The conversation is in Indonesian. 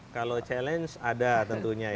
kalau challenge ada tentunya ya